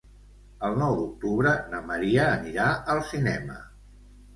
El nou d'octubre na Maria anirà al cinema.